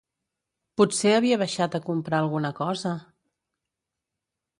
Potser havia baixat a comprar alguna cosa...